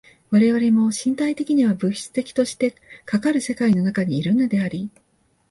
我々も身体的には物質的としてかかる世界の中にいるのであり、